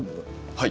はい。